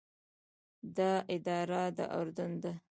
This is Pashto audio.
دا اداره د اردن ده.